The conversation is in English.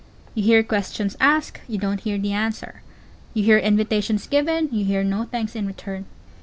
You hear questions asked; you don't hear the answer. You hear invitations given; you hear no thanks in return.